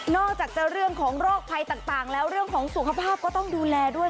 อกจากจะเรื่องของโรคภัยต่างแล้วเรื่องของสุขภาพก็ต้องดูแลด้วย